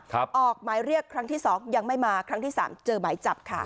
ออกหมายเรียกครั้งที่สองยังไม่มาครั้งที่สามเจอหมายจับค่ะ